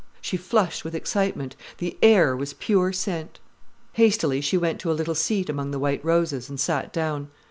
She flushed with excitement. The air was pure scent. Hastily, she went to a little seat among the white roses, and sat down.